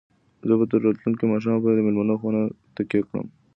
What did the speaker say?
زه به تر راتلونکي ماښامه پورې د مېلمنو خونه تکیه کړم.